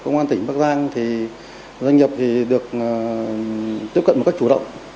công an tỉnh bắc giang thì doanh nghiệp được tiếp cận một cách chủ động